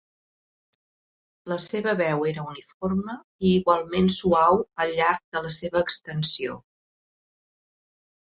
La seva veu era uniforme i igualment suau al llarg de la seva extensió.